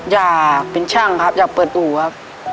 อยากเป็นช่างครับอยากเปิดอู่ครับ